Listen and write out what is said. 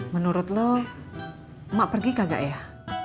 menurut lo mak pergi kagak ya